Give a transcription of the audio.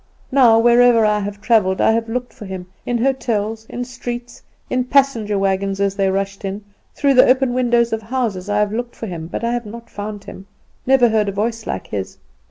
Now, wherever I have travelled I have looked for him in hotels, in streets, in passenger wagons as they rushed in, through the open windows of houses I have looked for him, but I have not found him never heard a voice like his.